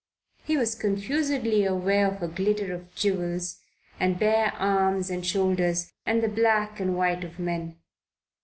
He was confusedly aware of a glitter of jewels, and bare arms and shoulders and the black and white of men.